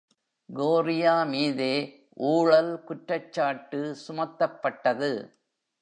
Goria மீதே ஊழல் குற்றச்சாட்டு சுமத்தப்பட்டது.